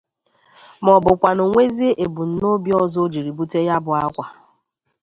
maọbụkwanụ nwezie ebumnobi ọzọ o jiri bute ya bụ àkwà